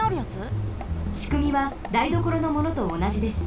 しくみはだいどころのものとおなじです。